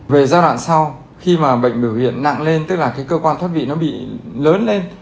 về giai đoạn sau khi mà bệnh biểu hiện nặng lên tức là cái cơ quan thoát vị nó bị lớn lên